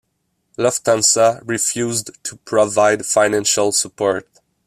Lufthansa refused to provide financial support.